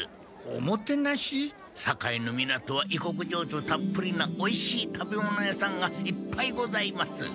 堺の港は異国情緒たっぷりなおいしい食べ物屋さんがいっぱいございます。